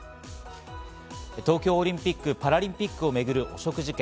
東京オリンピック・パラリンピックを巡る汚職事件。